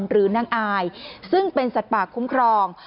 หรือนางอายซึ่งเป็นสัตว์ป่าคุ้มครอง